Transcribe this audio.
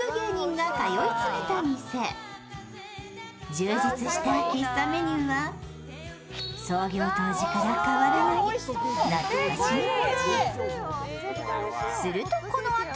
充実した喫茶メニューは創業当時から変わらない懐かしの味。